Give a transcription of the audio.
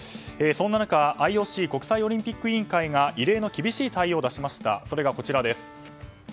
そんな中、ＩＯＣ・国際オリンピック委員会が異例の厳しい対応を出しました。